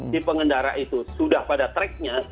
si pengendara itu sudah pada tracknya